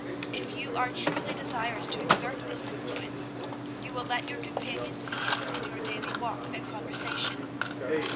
If you are truly desirous to exert this influence, you will let your companions see it in your daily walk and conversation.